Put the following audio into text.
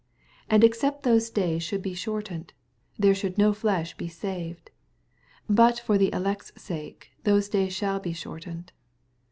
22 And except those days should be shortened, there should no flesh be saved : but ror the elect's sake those days shall be shortened.